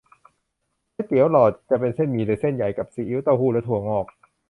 ก๋วยเตี๋ยวหลอด จะเป็นเส้นหมี่หรือเส้นใหญ่ กับซีอิ๊ว เต้าหู้ และถั่วงอก